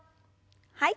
はい。